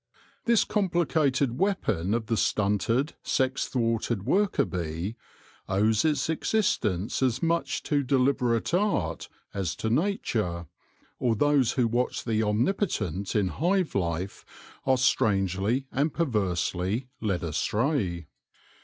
This com plicated weapon of the stunted, sex thwarted worker bee owes its existence as much to deliberate art as to nature, or those who watch the Omnipotent in hive life are strangely and perversely led astray.